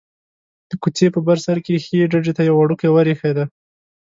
د کوڅې په بر سر کې ښيي ډډې ته یو وړوکی ور ایښی دی.